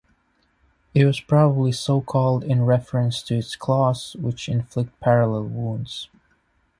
It was probably so called in reference to its "claws", which inflict parallel wounds.